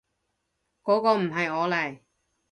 嗰個唔係我嚟